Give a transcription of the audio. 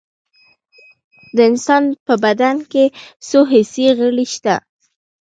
د انسان په بدن کې څو حسي غړي شته